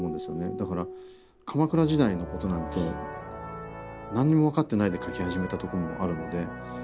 だから鎌倉時代のことなんて何にも分かってないで書き始めたとこもあるので。